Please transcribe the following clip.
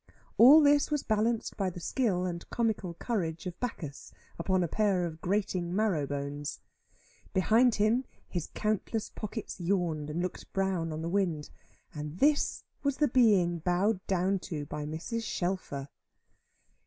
All this was balanced by the skill and comical courage of Bacchus, upon a pair of grating marrow bones. Behind him his countless pockets yawned and looked brown on the wind. And this was the being bowed down to by Mrs. Shelfer!